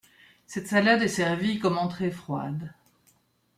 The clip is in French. Cette salade est servie comme entrée froide.